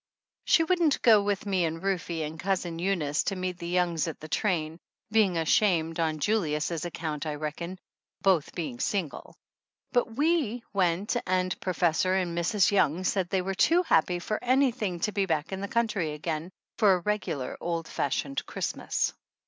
She wouldn't go with me and Rufe and 105 THE ANNALS OF ANN Cousin Eunice to meet the Youngs at the train, being ashamed on Julius' account, I reckon, both being single. But we went and Professor and Mrs. Young said they were too happy for anything to be back in the country again for a regular old fashioned Christmas.